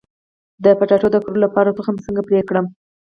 د کچالو د کرلو لپاره تخم څنګه پرې کړم؟